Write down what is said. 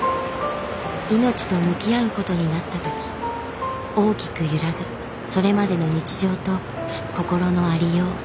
命と向き合うことになったとき大きく揺らぐそれまでの日常と心のありよう。